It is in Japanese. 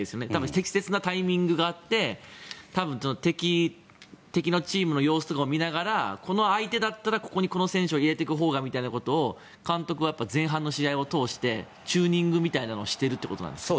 適切なタイミングがあって多分、敵のチームの様子とかを見ながらこの相手だったらここに、この選手を入れていくほうがみたいなことを監督は前半の試合を通してチューニングみたいなのをしてるってことですか。